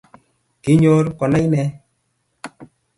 Ki nyor konai inee